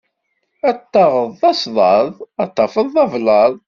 Ad t-taɣeḍ d asḍaḍ, ad t-tafeḍ d ablaḍ.